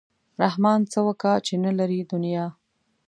رحمان څه وکا چې نه لري دنیا.